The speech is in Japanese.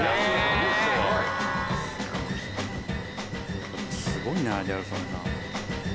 やっぱりすごいなギャル曽根さん。